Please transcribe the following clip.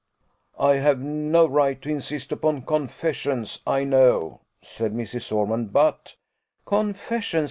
"I have no right to insist upon confessions, I know," said Mrs. Ormond; "but " "Confessions!